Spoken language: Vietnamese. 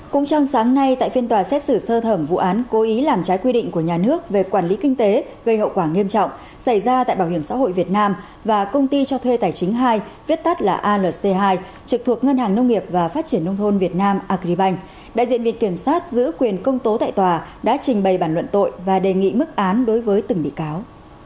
cũng trong sáng nay tại phiên tòa xét xử sơ thẩm vụ án cố ý làm trái quy định của nhà nước về quản lý kinh tế gây hậu quả nghiêm trọng xảy ra tại bảo hiểm xã hội việt nam và công ty cho thuê tài chính hai viết tắt là alc hai trực thuộc ngân hàng nông nghiệp và phát triển nông thôn việt nam agribank đại diện viện kiểm soát giữ quyền công tố tại tòa đã trình bày bản luận tội và đề nghị mức án đối với từng bị cáo